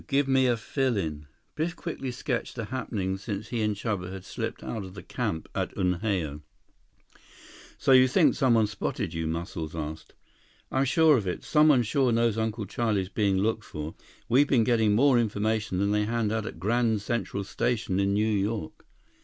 Give me a fill in." Biff quickly sketched the happenings since he and Chuba had slipped out of the camp at Unhao. "So you think someone's spotted you?" Muscles asked. 118 "I'm sure of it. Someone sure knows Uncle Charlie's being looked for. We've been getting more information than they hand out at Grand Central Station in New York."